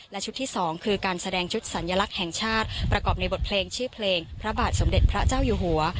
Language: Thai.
และชุดที่๒คือการแสดงชุดสัญลักษณ์แห่งชาติประกอบในบทเพลงชื่อเพลงพระบาทสมเด็จพระเจ้าอยู่หัว